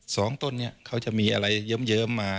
สองต้นนี้เขาจะมีอะไรเยิ้มมา